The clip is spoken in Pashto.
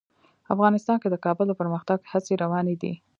افغانستان کې د کابل د پرمختګ هڅې روانې دي.